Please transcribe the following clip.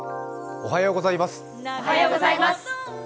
おはようございます。